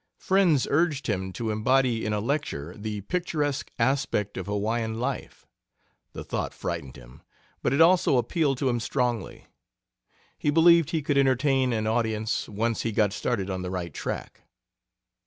Friends urged him to embody in a lecture the picturesque aspect of Hawaiian life. The thought frightened him, but it also appealed to him strongly. He believed he could entertain an audience, once he got started on the right track.